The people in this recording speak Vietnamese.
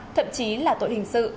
thậm chí là tội hình sự